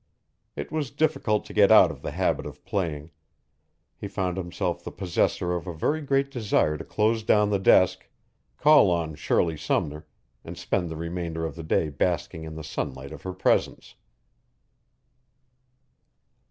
It was difficult to get out of the habit of playing; he found himself the possessor of a very great desire to close down the desk, call on Shirley Sumner, and spend the remainder of the day basking in the sunlight of her presence.